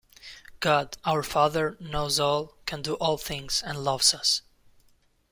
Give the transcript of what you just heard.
God, our father, knows all, can do all things, and loves us.